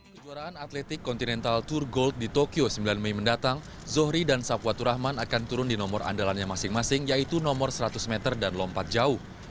kejuaraan atletik continental tour gold di tokyo sembilan mei mendatang zohri dan sapuatur rahman akan turun di nomor andalannya masing masing yaitu nomor seratus meter dan lompat jauh